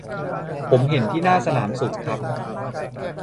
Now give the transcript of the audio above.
ผมเห็นที่หน้าสนามศุภครับ